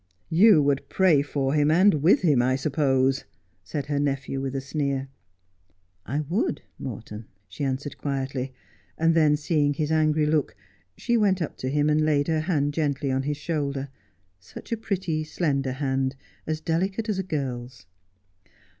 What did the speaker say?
' You would pray for him and with him, I suppose V said her nephew with a sneer. ' I would, Morton,' she answered quietly ; and then, seeing his angry look, she went up to him, and laid her hand gently on his shoulder — such a pretty slender hand, as delicate as a girl's.